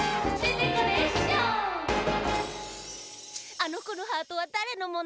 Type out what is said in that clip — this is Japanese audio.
あのこのハートはだれのもの？